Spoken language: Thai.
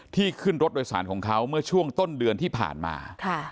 ขึ้นรถโดยสารของเขาเมื่อช่วงต้นเดือนที่ผ่านมา